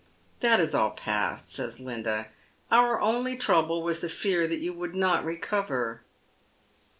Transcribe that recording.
" That is all past," says Linda. " Our only trouble was the fear that you would not recover."